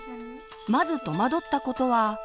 まず戸惑ったことは。